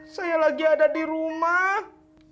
saya lagi ada di rumah